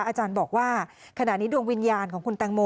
อาจารย์บอกว่าขณะนี้ดวงวิญญาณของคุณแตงโม